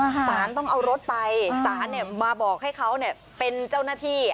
สารต้องเอารถไปสารมาบอกให้เขาเป็นเจ้าหน้าที่